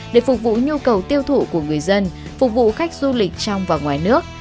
để phục vụ nhu cầu tiêu thụ của người dân phục vụ khách du lịch trong và ngoài nước